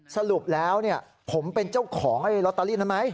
สรุปแล้วเนี่ยผมเป็นเจ้าของไอ้ลอตเตอรี่ทำไม